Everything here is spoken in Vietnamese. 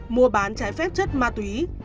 mua bán trái phép chất ma túy